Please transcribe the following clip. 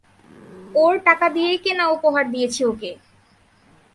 ওর টাকা দিয়েই কেনা উপহার দিয়েছি ওকে!